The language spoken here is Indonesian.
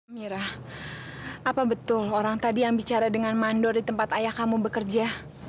mira apa betul orang tadi yang bicara dengan mandor di tempat ayah kamu bekerja